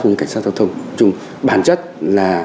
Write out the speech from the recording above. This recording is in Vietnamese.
và cảnh sát giao thông